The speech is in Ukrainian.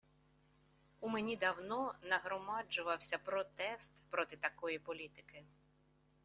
У мені давно нагромаджувався протест проти такої політики